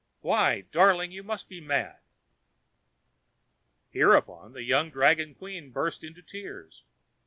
Why! darling, you must be mad." Hereupon the young dragon queen burst into tears.